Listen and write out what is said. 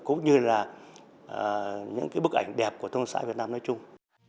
cũng như là những cái bức ảnh đẹp của thông sãi việt nam nói chung